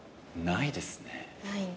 ないです。